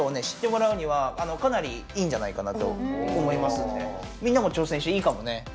知ってもらうにはかなりいいんじゃないかなと思いますのでみんなも挑戦していいかもね。